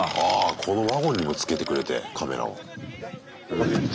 このワゴンにもつけてくれてカメラを。